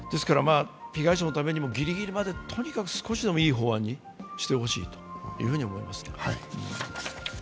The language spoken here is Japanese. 被害者のためにもギリギリまで少しでもいい法案にしてほしいと思います。